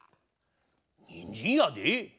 にんじんやで？